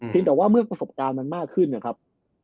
แต่ว่าเมื่อประสบการณ์มันมากขึ้นนะครับ